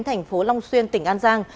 thành phố long xuyên tỉnh an giang